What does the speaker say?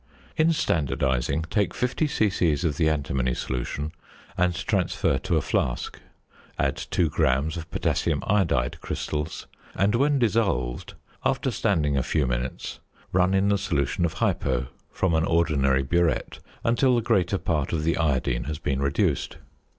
In standardising, take 50 c.c. of the antimony solution, and transfer to a flask; add 2 grams of potassium iodide crystals, and when dissolved, after standing a few minutes, run in the solution of "hypo" from an ordinary burette until the greater part of the iodine has been reduced.